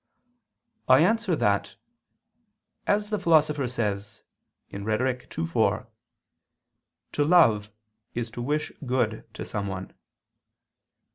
I answer that, As the Philosopher says (Rhet. ii, 4), "to love is to wish good to someone."